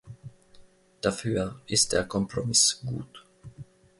Dafür ist der Kompromiss gut.